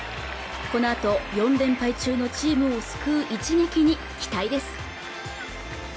このあと４連敗中のチームを救う一撃に期待です